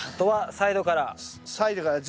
サイドから。